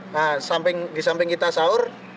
nah di samping kita sahur